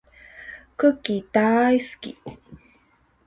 クッキーだーいすき